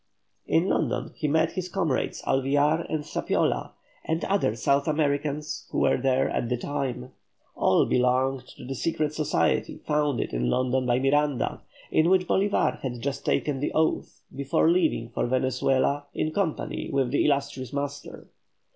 In London he met his comrades Alvear and Zapiola, and other South Americans who were there at the time. All belonged to the secret society founded in London by Miranda, in which Bolívar had just taken the oath, before leaving for Venezuela in company with the illustrious master.